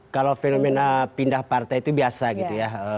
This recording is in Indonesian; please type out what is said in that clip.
kalau fenomena pindah partai itu biasa gitu ya